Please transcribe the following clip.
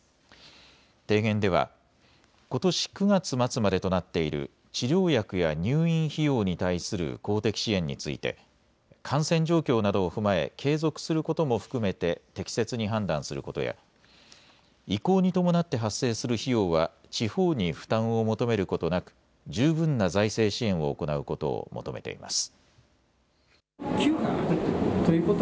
提言では、ことし９月末までとなっている治療薬や入院費用に対する公的支援について感染状況などを踏まえ継続することも含めて適切に判断することや移行に伴って発生する費用は地方に負担を求めることなく十分な財政支援を行うことを求めています。